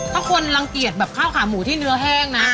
ถ้าคนรังเกียจแบบข้าวขาหมูที่เนื้อแห้งนะ